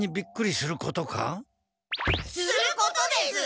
することです！